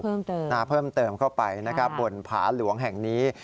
เพิ่มเติมนะเพิ่มเติมเข้าไปนะครับบนผาหลวงแห่งนี้